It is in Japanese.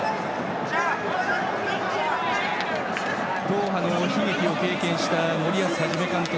ドーハの悲劇を経験した森保一監督。